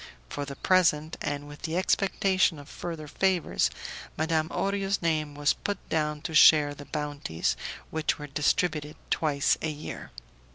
For the present, and with the expectation of further favours, Madame Orio's name was put down to share the bounties which were distributed twice a year.